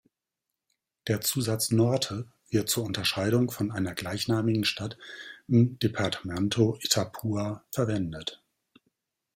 Der Zusatz "Norte" wird zur Unterscheidung von einer gleichnamigen Stadt im Departamento Itapúa verwendet.